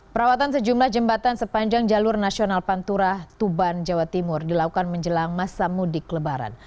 perawatan sejumlah jembatan sepanjang jalur nasional pantura tuban jawa timur dilakukan menjelang masa mudik lebaran